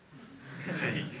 はい。